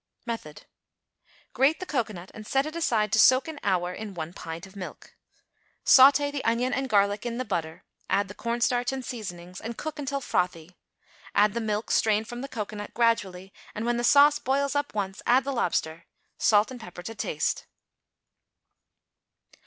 Method. Grate the cocoanut and set it aside to soak an hour in one pint of milk. Sauté the onion and garlic in the butter, add the cornstarch and seasonings, and cook until frothy; add the milk strained from the cocoanut, gradually, and, when the sauce boils up once, add the lobster; salt and pepper to taste.